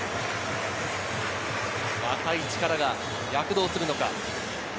若い力が躍動するのか。